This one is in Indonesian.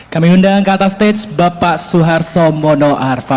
kami mengundang ke atas stage bapak soeharto mono arfa